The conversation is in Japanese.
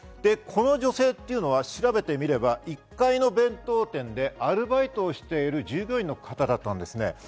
この女性というのは調べてみれば、１階の弁当店でアルバイトをしている従業員の方だったんです。